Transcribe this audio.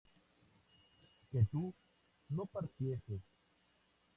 que tú no partieses